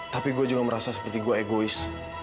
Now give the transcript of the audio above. tapi gue juga merasa seperti gue egois